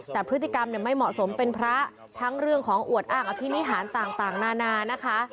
แต่พฤติกรรมไม่เหมาะสมเป็นพระทั้งเรื่องของอวดอ้างอภินิหารต่างนานานะคะ